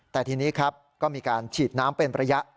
แต่ทีนี้ครับก็มีการฉีดน้ำเป็นระยะ